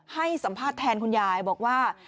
ให้สัมภาษณ์แทนคุณยายบอกว่า